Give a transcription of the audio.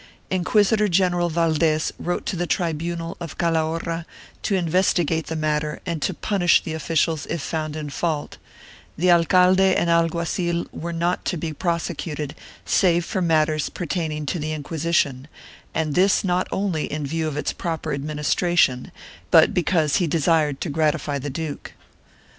Inquisitor general Valdes wrote to the tribunal of Calahorra to investigate the matter and punish the officials if found in fault; the alcalde and alguazil were not to be prosecuted save for matters pertaining to the Inquisition and this not only in view of its proper adminis tration but because he desired to gratify the duke.